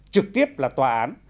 trực tiếp là tòa án